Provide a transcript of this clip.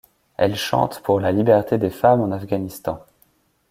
Elle chante pour la liberté des femmes en Afghanistan.